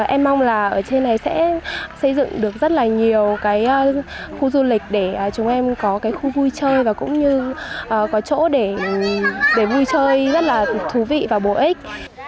em mong là ở trên này sẽ xây dựng được rất là nhiều cái khu du lịch để chúng em có cái khu vui chơi và cũng như có chỗ để vui chơi rất là thú vị và bổ ích